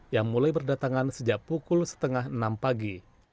yang mulai berdatangan sejak pukul setengah enam pagi